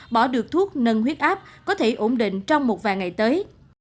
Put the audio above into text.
bỏ được thuốc nâng huyết áp có thể ổn định trong một vài ngày tới